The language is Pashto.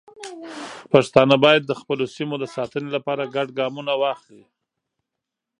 پښتانه باید د خپلو سیمو د ساتنې لپاره ګډ ګامونه واخلي.